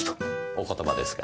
お言葉ですが。